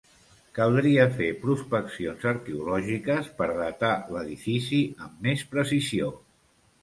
Caldria fer prospeccions arqueològiques per datar l'edifici amb més precisió.